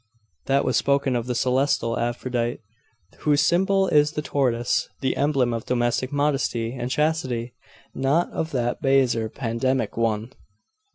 'That was spoken of the celestial Aphrodite, whose symbol is the tortoise, the emblem of domestic modesty and chastity: not of that baser Pandemic one.